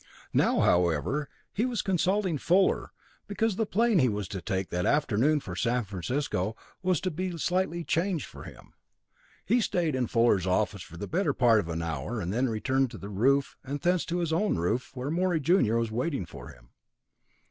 Now, however, he was consulting Fuller, because the plane he was to take that afternoon for San Francisco was to be slightly changed for him. He stayed in Fuller's office for the better part of an hour, then returned to the roof and thence to his own roof, where Morey junior was waiting for him.